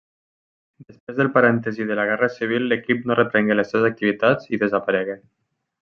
Després del parèntesi de la Guerra Civil l'equip no reprengué les seves activitats i desaparegué.